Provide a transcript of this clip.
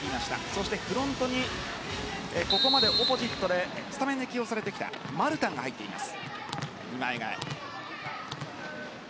そしてフロントにここまでオポジットでスタメンで起用されてきたマルタンが入っています。